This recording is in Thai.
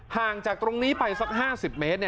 ห่างจากตรงนี้ไปสัก๕๐เมตร